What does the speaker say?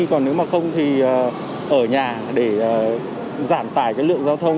còn nếu mà không thì ở nhà để giảm tải cái lượng giao thông